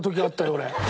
俺。